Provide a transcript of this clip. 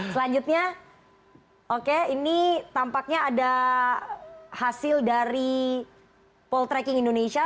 selanjutnya oke ini tampaknya ada hasil dari poltreking indonesia